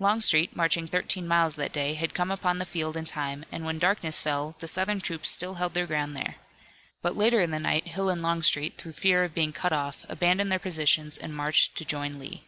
Longstreet, marching thirteen miles that day, had come upon the field in time, and when darkness fell the Southern troops still held their ground there. But later in the night Hill and Longstreet, through fear of being cut off, abandoned their positions and marched to join Lee.